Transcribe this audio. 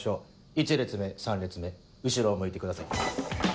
１列目３列目後ろを向いてください。